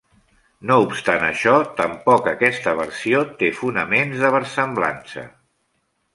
No obstant això, tampoc aquesta versió té fonaments de versemblança.